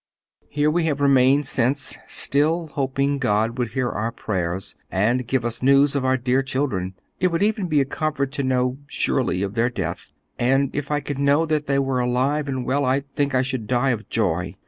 Here we have remained since, still hoping God would hear our prayers and give us news of our dear children. It would even be a comfort to know surely of their death, and if I could know that they were alive and well, I think I should die of joy.